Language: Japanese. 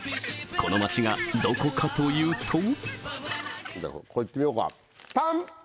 この街がどこかというとじゃここいってみようかパン！